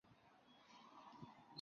出身于神奈川县藤泽市。